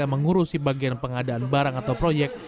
yang mengurusi bagian pengadaan barang atau proyek